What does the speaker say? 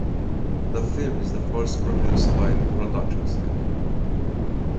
The film is the first produced by the production studio.